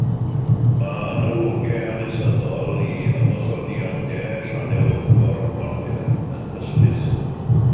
Mae analogau hanesyddol i ymosodiadau sianel ochr modern yn hysbys.